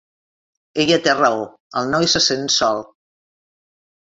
Ella té raó; el noi se sent sol.